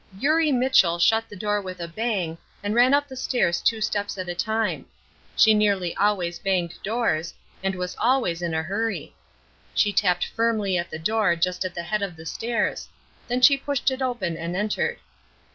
Eurie Mitchell shut the door with a bang and ran up the stairs two steps at a time. She nearly always banged doors, and was always in a hurry. She tapped firmly at the door just at the head of the stairs; then she pushed it open and entered.